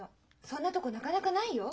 そんなとこなかなかないよ。